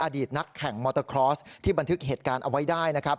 อดีตนักแข่งมอเตอร์คลอสที่บันทึกเหตุการณ์เอาไว้ได้นะครับ